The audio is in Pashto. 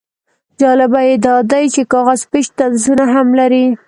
جالبه یې دا دی چې کاغذ پیچ طنزونه هم لري.